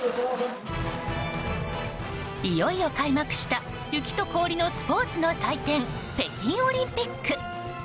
いよいよ開幕した雪と氷のスポーツの祭典北京オリンピック。